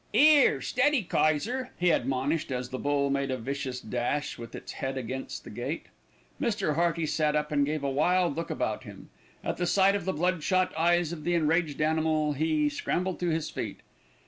'Ere, steady Kayser," he admonished, as the bull made a vicious dash with its head against the gate. Mr. Hearty sat up and gave a wild look about him. At the sight of the blood shot eyes of the enraged animal he scrambled to his feet.